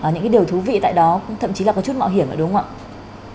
những điều thú vị tại đó thậm chí là có chút mạo hiểm nữa đúng không ạ